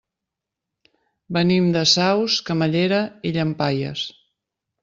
Venim de Saus, Camallera i Llampaies.